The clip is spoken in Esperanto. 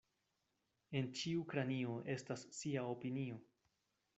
En ĉiu kranio estas sia opinio.